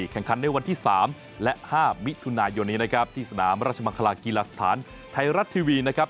แข่งขันในวันที่๓และ๕มิถุนายนนี้นะครับที่สนามราชมังคลากีฬาสถานไทยรัฐทีวีนะครับ